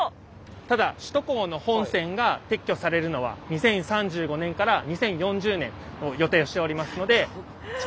ただ首都高の本線が撤去されるのは２０３５年から２０４０年を予定しておりますので。